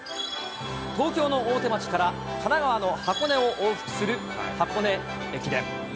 東京の大手町から神奈川の箱根を往復する箱根駅伝。